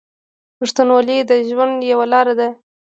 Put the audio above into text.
پښتونولي د ژوند یوه لار ده.